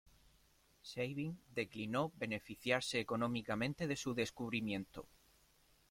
Sabin declinó beneficiarse económicamente de su descubrimiento.